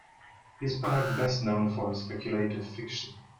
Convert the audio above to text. He is perhaps best known for his speculative fiction.